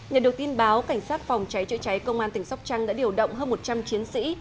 nhận được tin báo cảnh sát phòng cháy chữa cháy công an tỉnh sóc trăng đã điều động hơn một trăm linh chiến sĩ